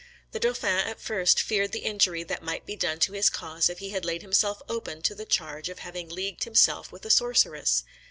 The dauphin at first feared the injury that might be done to his cause if he had laid himself open to the charge of having leagued himself with a sorceress.